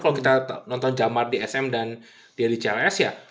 kalau kita nonton jamal di sm dan di lhls ya